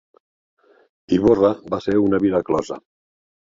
Ivorra va ser una vila closa.